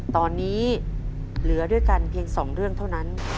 ตอนนี้เหลือด้วยกันเพียง๒เรื่องเท่านั้น